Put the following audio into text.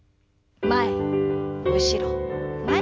前後ろ前。